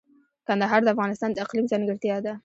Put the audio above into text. کندهار د افغانستان د اقلیم ځانګړتیا ده.